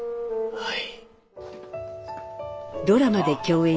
はい。